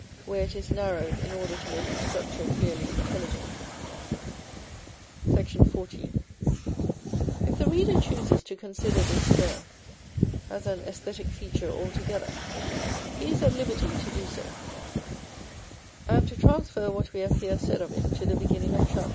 where it is narrowed in order to make its structure clearly intelligible. § XIV. If the reader chooses to consider this spur as an æsthetic feature altogether, he is at liberty to do so, and to transfer what we have here said of it to the beginning of Chap.